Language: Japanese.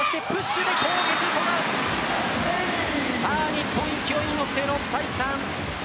日本、勢いに乗って６対３。